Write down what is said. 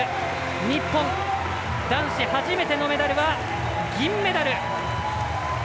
日本、男子初めてのメダルは銀メダル！